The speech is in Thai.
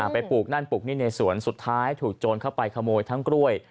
ปลูกนั่นปลูกนี่ในสวนสุดท้ายถูกโจรเข้าไปขโมยทั้งกล้วย